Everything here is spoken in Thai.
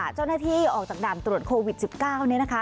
เจ้าหน้าที่ออกจากด่านตรวจโควิด๑๙นี่นะคะ